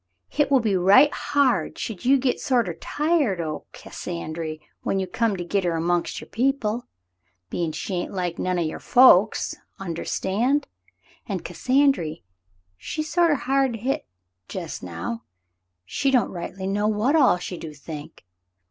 Hit would be right hard should you git sorter tired o' Cassandry when you come to git her amongst your people — bein' she hain't like none o' your folks, understand; an' Cassandry, she's sorter hard hit jest now, she don't rightly know what all she do think.